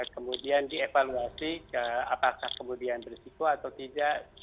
kemudian dievaluasi apakah kemudian berisiko atau tidak